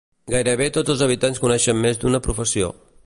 Gairebé tots els habitants coneixen més d"una professió.